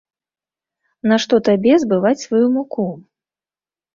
Нашто табе збываць сваю муку?